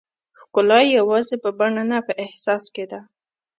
ښکلا یوازې په بڼه نه، په احساس کې ده.